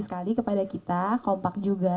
sekali kepada kita kompak juga